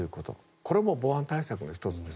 これも防犯対策の１つです。